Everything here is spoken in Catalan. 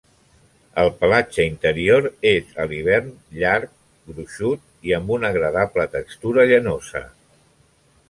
El pelatge interior és a l'hivern llarg, gruixut i amb una agradable textura llanosa.